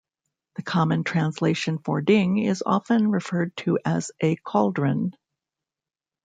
The common translation for ding is often referred to as a cauldron.